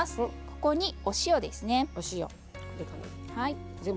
ここに、お塩ですね。